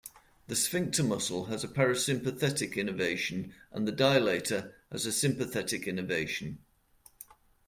The sphincter muscle has a parasympathetic innervation, and the dilator has a sympathetic innervation.